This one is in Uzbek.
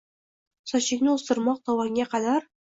sochingni oʼstirmoq tovonga qadar